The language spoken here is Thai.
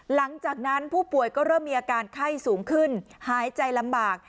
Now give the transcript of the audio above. หลังจากนั้นผู้ป่วยก็เริ่มมีอาการไข้สูงขึ้นหายใจลำบาก